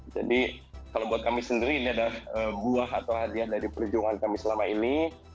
jadi kalau buat kami sendiri ini adalah buah atau hadiah dari perjuangan kami selama ini